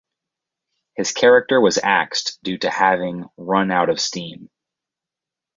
His character was axed due to having 'run out of steam'.